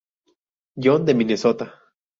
John de Minnesota.